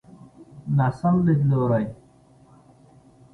ناسم ليدلوری.